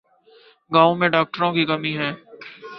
گاؤں میں ڈاکٹروں کی کمی ہے